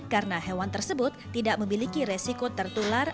karena hewan tersebut tidak memiliki resiko tertular